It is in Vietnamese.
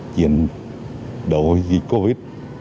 chiến đấu dịch covid